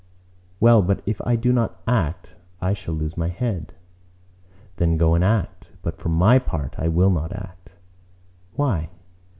"Well, but if I do not act, I shall lose my head." "Then go and act! But for my part I will not act." "Why?"